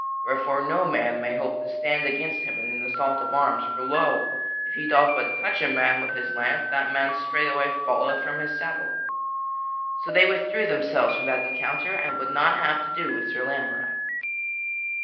Wherefore no man may hope to stand against him in an assault of arms; for lo! if he doth but touch a man with his lance that man straightway falleth from his saddle." So they withdrew themselves from that encounter and would not have to do with Sir Lamorack.